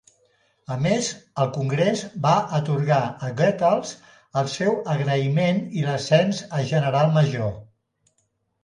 A més, el Congrés va atorgar a Goethals el seu agraïment i l'ascens a general major.